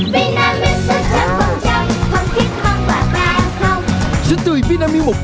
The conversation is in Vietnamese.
vì nam nước sứa chất bảo quản không thích mong bà ba không